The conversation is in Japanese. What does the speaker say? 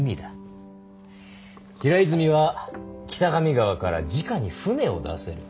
平泉は北上川からじかに船を出せる。